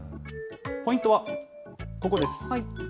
ポイントはここです。